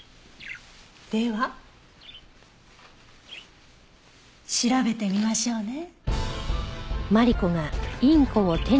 では調べてみましょうね。